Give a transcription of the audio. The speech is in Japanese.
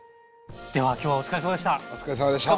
では今日はお疲れさまでした。